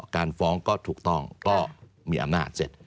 การฟ้องก็ถูกต้องก็มีอำนาจเสร็จ